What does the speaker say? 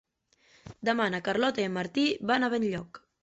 Demà na Carlota i en Martí van a Benlloc.